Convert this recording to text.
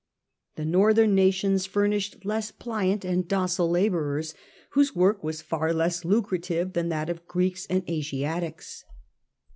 The Northern nations furnished less pliant and docile labourers, whose work was far less lucrative than that of Greeks and Asiatics.